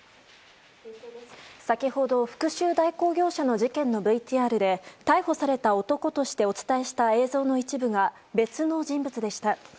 先ほど復讐代行業の事件のＶＴＲで逮捕された男としてお伝えした映像の一部が別の人物でした。